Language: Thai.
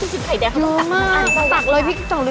จักเลยพริกก็จัดเลย